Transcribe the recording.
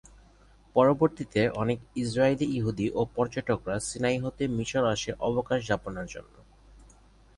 পরবর্তীতে অনেক ইসরাইলী ইহুদি ও পর্যটকরা সিনাই হতে মিশর আসে অবকাশ যাপনের জন্য।